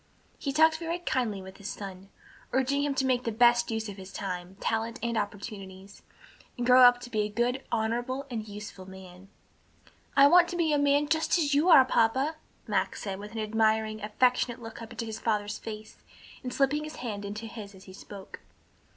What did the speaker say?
He talked very kindly with his son, urging him to make the best use of his time, talents and opportunities, and grow up to be a good, honorable and useful man. "I want to be just such a man as you are, papa," Max said, with an admiring, affectionate look up into his father's face, and slipping his hand into his as he spoke.